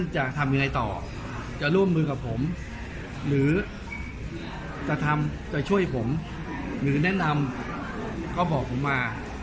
จะทำจะช่วยผมหรือแนะนำก็บอกผมมา